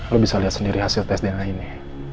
lo bisa lihat sendiri hasil tes dna ini